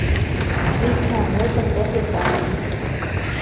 Кек намозым дӓ фекалим